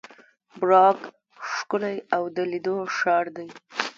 پراګ ښکلی او د لیدلو ښار دی.